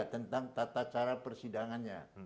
tentang tata cara persidangannya